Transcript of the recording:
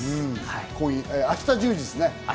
明日１０時ですね。